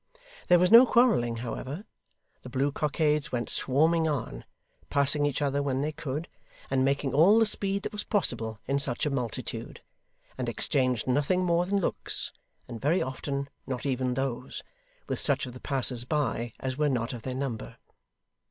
There was no quarrelling, however: the blue cockades went swarming on, passing each other when they could, and making all the speed that was possible in such a multitude; and exchanged nothing more than looks, and very often not even those, with such of the passers by as were not of their number.